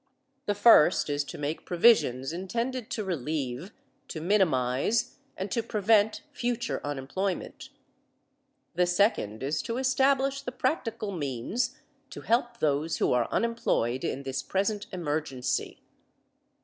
The first is to make provisions intended to relieve, to minimize, and to prevent future unemployment; the second is to establish the practical means to help those who are unemployed in this present emergency.